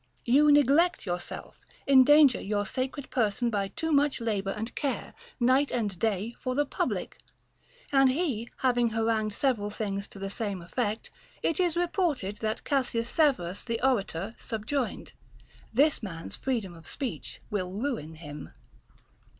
You neglect yourself, endanger your sacred person by your too much labor and care, night and day, for the public. And he having harangued several things to the same effect, it is reported that Cassius Severus the orator subjoined : This man's freedom of speech will ruin him.